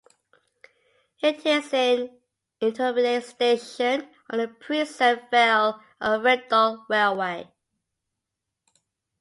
It is an intermediate station on the preserved Vale of Rheidol Railway.